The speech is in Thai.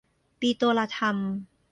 ปิโตรลาทัม